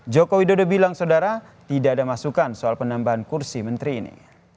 joko widodo bilang saudara tidak ada masukan soal penambahan kursi menteri ini